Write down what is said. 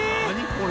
これ。